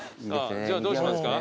じゃあどうしますか？